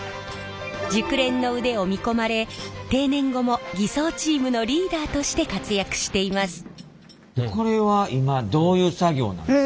熟練の腕を見込まれ定年後も艤装チームのリーダーとして活躍しています。